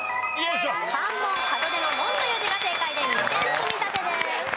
関門門出の「門」という字が正解で２点積み立てです。